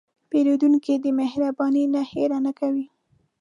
پیرودونکی د مهربانۍ نه هېره نه کوي.